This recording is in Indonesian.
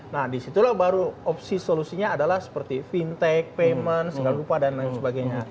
nah disitulah baru opsi solusinya adalah seperti fintech payment segala rupa dan lain sebagainya